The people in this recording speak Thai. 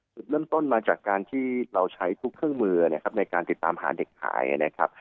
จุดเริ่มต้นมาจากการที่เราใช้ทุกเครื่องมือนะครับในการติดตามหาเด็กหายนะครับ